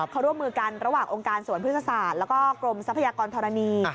เขาร่วมมือกันระหว่างองค์การสวนพฤษศาสตร์แล้วก็กรมทรัพยากรธรณี